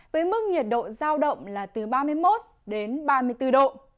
với mức nhiệt độ giao động là từ ba mươi một đến ba mươi bốn độ